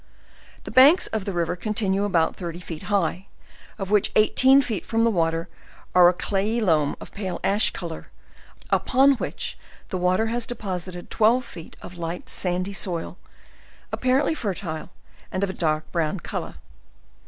The banks of the river continue about thirty feet high, of which eighteen feet from the water are a clayey loam of a pale ash color, upon which the water has deposi ted twelve feet of light sandy soil, apparently fertile and of a dark brown color.